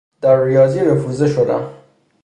در ریاضی رفوزه شدم.